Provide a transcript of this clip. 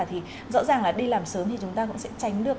thì rõ ràng là đi làm sớm thì chúng ta cũng sẽ tránh được